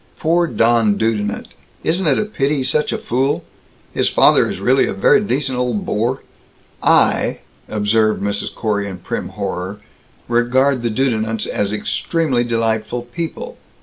Poor Don Dudenant, isn't it a pity he's such a fool? His father is really a very decent old bore." "I," observed Mrs. Corey, in prim horror, "regard the Dudenants as extremely delightful people.